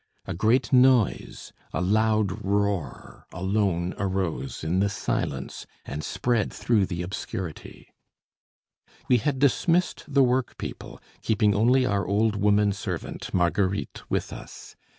A great noise, a loud roar, alone arose in the silence and spread through the obscurity. We had dismissed the workpeople, keeping only our old woman servant, Marguerite, with us.